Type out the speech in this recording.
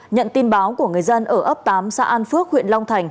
nhận tin báo của người dân ở ấp tám xã an phước huyện long thành